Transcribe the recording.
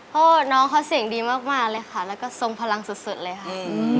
เพราะน้องเขาเสียงดีมากเลยค่ะแล้วก็ทรงพลังสุดเลยค่ะ